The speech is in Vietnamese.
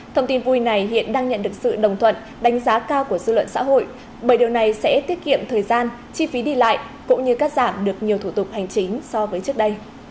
thông tin vui này hiện đang nhận được sự đồng thuận đánh giá cao của dư luận xã hội bởi điều này sẽ tiết kiệm thời gian chi phí đi lại cũng như cắt giảm được nhiều thủ tục hành chính so với trước đây